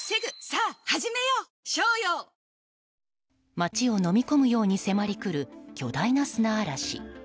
街をのみ込むように迫りくる巨大な砂嵐。